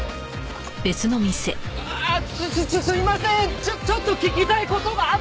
ちょっと聞きたい事がある。